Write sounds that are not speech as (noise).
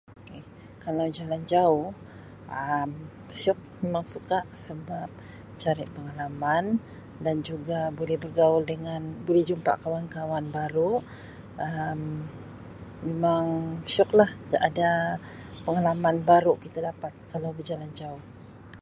"""Okay"" kalau jalan jauh Um syiok memang suka sebab cari pengalaman dan juga boleh bergaul dengan boleh jumpa kawan-kawan baru Um memang syiok lah, (unintelligible) ada pengalaman baru kita dapat kalau berjalan jauh. "